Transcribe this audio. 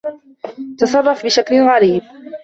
تصرّف بشكل غريب.